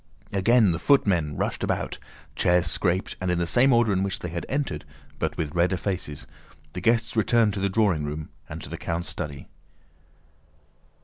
Again the footmen rushed about, chairs scraped, and in the same order in which they had entered but with redder faces, the guests returned to the drawing room and to the count's study.